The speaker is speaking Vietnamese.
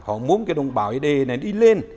họ muốn đồng bào này đi lên